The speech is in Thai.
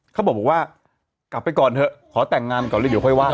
เขาบอกว่ากลับไปก่อนเถอะขอแต่งงานก่อนแล้วเดี๋ยวค่อยไห้